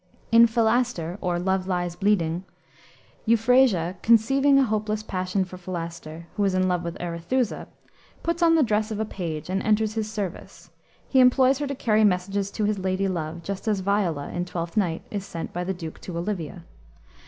In Philaster, or Love Lies Bleeding, Euphrasia, conceiving a hopeless passion for Philaster who is in love with Arethusa puts on the dress of a page and enters his service. He employs her to carry messages to his lady love, just as Viola, in Twelfth Night, is sent by the Duke to Olivia.